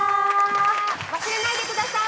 忘れないでください。